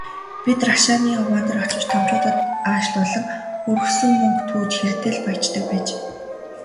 Бид рашааны овоон дээр очиж томчуудад аашлуулан, өргөсөн мөнгө түүж хэрдээ л «баяждаг» байж.